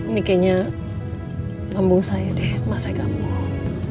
ini kayaknya lambung saya deh masa i gambung